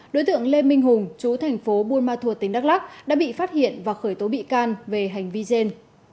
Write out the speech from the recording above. đối tượng lê minh hùng chú thành phố buôn ma thuột tỉnh đắk lắc đã bị phát hiện và khởi tố bị can về hành vi trên